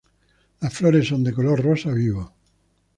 Las flores son de color rosa vivo.